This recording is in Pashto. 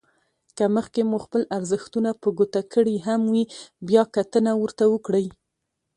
که مخکې مو خپل ارزښتونه په ګوته کړي هم وي بيا کتنه ورته وکړئ.